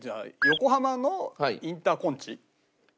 横浜のインターコンチ。